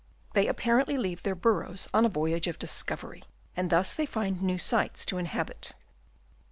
They apparently leave their burrows on a voyage of discovery, and thus they find new sites to inhabit.